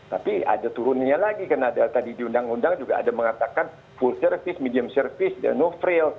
tapi ada turunnya lagi karena tadi di undang undang juga ada mengatakan full service medium service dan no fraille